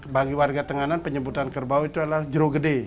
bagi warga tenganan penyebutan kerbau itu adalah jero gede